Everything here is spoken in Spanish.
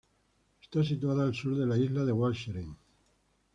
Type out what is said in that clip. Está situada al sur de la isla de Walcheren.